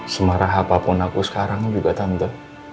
semarah apapun aku sekarang juga tante